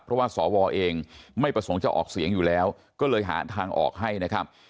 เพราะว่าสวเองไม่ประสงค์จะออกเสียงอยู่แล้วก็เลยหาทางออกให้นะครับ